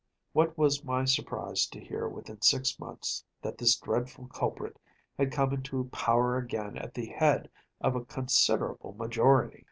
(100) What was my surprise to hear within six months that this dreadful culprit had come into power again at the head of a considerable majority!